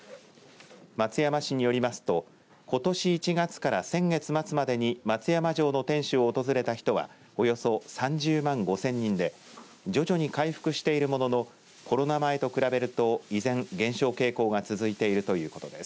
松山市によりますとことし１月から先月末までに松山城の天守を訪れた人はおよそ３０万５０００人で徐々に回復しているもののコロナ前と比べると依然、減少傾向が続いているということです。